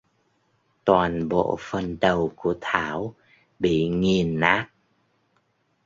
Toàn bộ phần đầu của Thảo bị nghiền nát